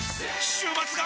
週末が！！